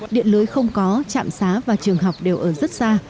điện lưới không có trạm xá và trường học đều ở rất xa